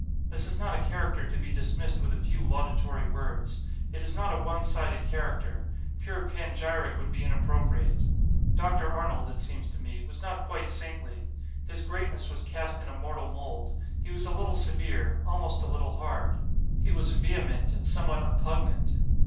This is not a character to be dismissed with a few laudatory words; it is not a one sided character; pure panegyric would be inappropriate. Dr. Arnold (it seems to me) was not quite saintly; his greatness was cast in a mortal mould; he was a little severe, almost a little hard; he was vehement and somewhat oppugnant.